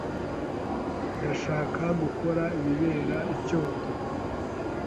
Ndashaka gukora ibibera i Kyoto.